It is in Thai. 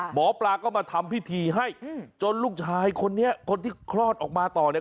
หมอปลาก็มาทำพิธีให้จนลูกชายคนนี้คนที่คลอดออกมาต่อเนี่ย